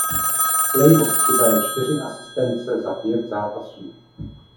V playoff přidal čtyři asistence za pět zápasů.